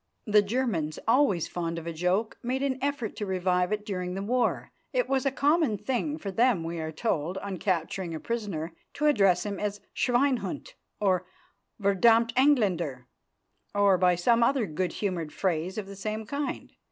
The Germans, always fond of a joke, made an effort to revive it during the war. It was a common thing for them, we are told, on capturing a prisoner, to address him as "Schweinhund" or "Verdammte Engländer," or by some other good humoured phrase of the same kind.